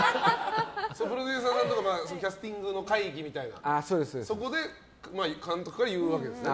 プロデューサーさんとかキャスティングの会議みたいなそこで監督から言うわけですね。